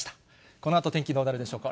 このあと天気、どうなるでしょうか。